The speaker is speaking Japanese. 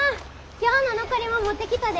今日の残りもん持ってきたで。